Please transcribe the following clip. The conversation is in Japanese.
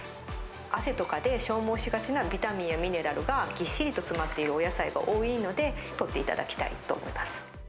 汗とかで消耗しがちなビタミンやミネラルがぎっしりと詰まっているお野菜が多いので、とっていただきたいと思います。